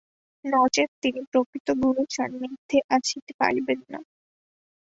নচেৎ তিনি প্রকৃত গুরুর সান্নিধ্যে আসিতে পারিবেন না।